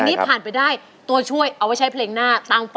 คุณเก๋ครับใช่หรือไม่ใช่ครับ